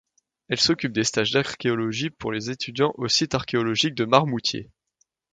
Elle s’occupe des stages d’archéologie pour les étudiants au site archéologique de Marmoutier.